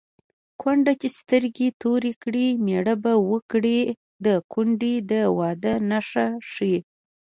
کونډه چې سترګې تورې کړي مېړه به وکړي د کونډې د واده نښه ښيي